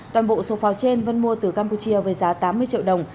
toàn bộ số pháo trên vân mua từ campuchia với giá tám mươi triệu đồng